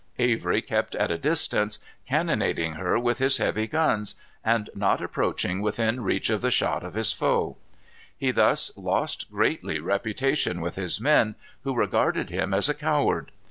Avery kept at a distance, cannonading her with his heavy guns, and not approaching within reach of the shot of his foe. He thus lost greatly reputation with his men, who regarded him as a coward.